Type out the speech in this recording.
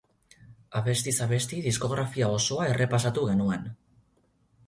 Abestiz abesti diskografia osoa errepasatu genuen.